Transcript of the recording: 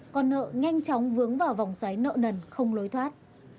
còn nợ nhanh chóng vướng vào vòng xoáy nợ nần không lối thoát